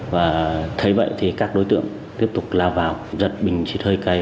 và thấy vậy thì các đối tượng tiếp tục lao vào giật bình xì thơi cay